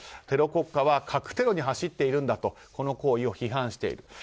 テロ国家は核テロに走っているんだとこの行為を批判している。